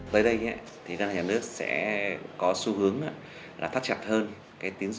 với đây ngân hàng nước sẽ có xu hướng thắt chặt hơn tiến dụng cho bất động sản